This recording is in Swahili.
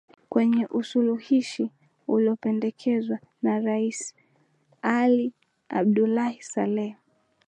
kwenye usuluhishi uliopendekezwa na rais ali adbulahi sallee